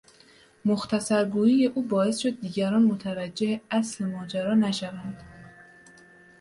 مختصر گوئی او باعث شد دیگران متوجه اصل ماجرا نشوند